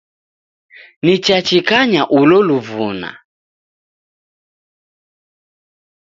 Nichachikanya ulo luvuna